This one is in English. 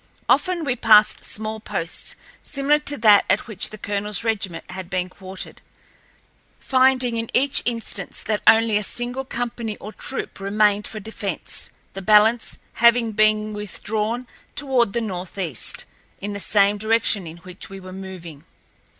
Often we passed small posts similar to that at which the colonel's regiment had been quartered, finding in each instance that only a single company or troop remained for defence, the balance having been withdrawn toward the northeast, in the same direction in which we were moving.